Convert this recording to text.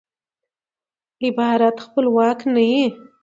عبارت خپلواک نه يي.